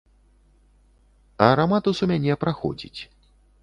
А раматус у мяне праходзіць.